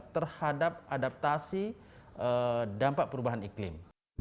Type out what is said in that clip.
terhadap adaptasi dampak perubahan iklim